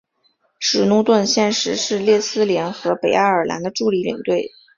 史奴顿现时是列斯联和北爱尔兰的助理领队。